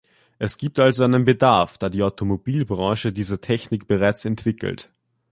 Es gibt also einen Bedarf, da die Automobilbranche diese Technik bereits entwickelt.